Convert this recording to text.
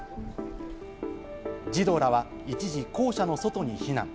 児童らは一時、校舎の外に避難。